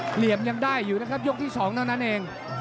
เหลี่ยมยังได้อยู่นะครับยกที่๒เท่านั้นเอง